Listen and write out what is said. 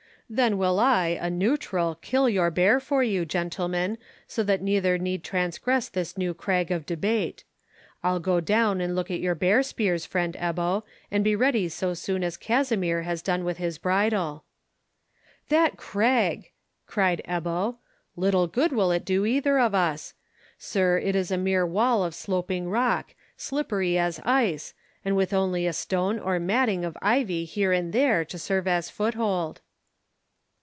"Then will I, a neutral, kill your bear for you, gentlemen, so that neither need transgress this new crag of debate. I'll go down and look at your bear spears, friend Ebbo, and be ready so soon as Kasimir has done with his bridal." "That crag!" cried Ebbo. "Little good will it do either of us. Sire, it is a mere wall of sloping rock, slippery as ice, and with only a stone or matting of ivy here and there to serve as foothold."